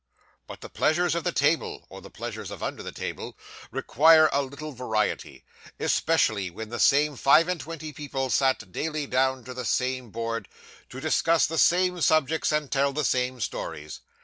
'But the pleasures of the table, or the pleasures of under the table, require a little variety; especially when the same five and twenty people sit daily down to the same board, to discuss the same subjects, and tell the same stories.